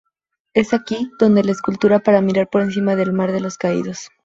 Es aquí donde la escultura para mirar por encima del mar de los caídos.